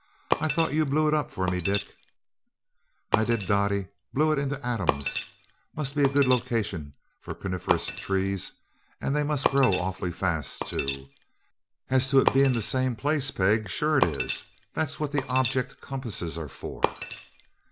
I thought you blew it up for me, Dick?" "I did, Dottie blew it into atoms. Must be a good location for carnivorous trees and they must grow awfully fast, too. As to its being the same place, Peg sure it is. That's what object compasses are for."